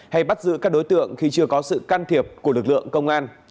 hay bắt giữ các đối tượng khi chưa có sự can thiệp của lực lượng công an